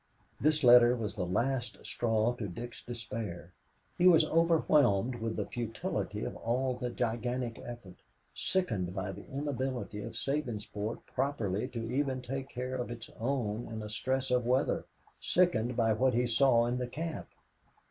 This letter was the last straw to Dick's despair. He was overwhelmed with the futility of all the gigantic effort, sickened by the inability of Sabinsport properly to even take care of its own in a stress of weather, sickened by what he saw in the camp.